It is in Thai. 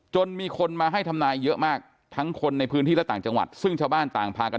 มีคนมาให้ทำนายเยอะมากทั้งคนในพื้นที่และต่างจังหวัดซึ่งชาวบ้านต่างพากัน